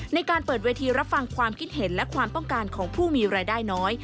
ในการเปิดเวทีรับฟังความคิดเห็นและความต้องการของผู้มีรายได้น้อย